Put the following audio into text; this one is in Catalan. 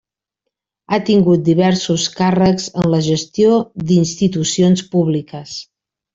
Ha tingut diversos càrrecs en la gestió d'institucions públiques.